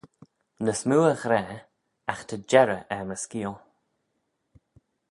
Ny smoo y ghra, agh ta jerrey er my skeeal.